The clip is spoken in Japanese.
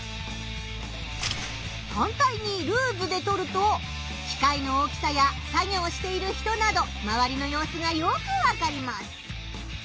反対にルーズで撮ると機械の大きさや作業している人などまわりの様子がよくわかります。